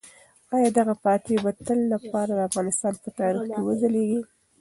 آیا دغه فاتح به د تل لپاره د افغانستان په تاریخ کې وځلیږي؟